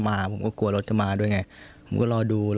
อยากพัฒนาให้ดีต่อแนะคะ